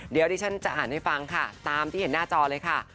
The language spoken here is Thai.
เดี๋ยวที่ฉันจะอ่านให้ฟังค่ะตามที่เห็นหน้าจอเลยค่ะ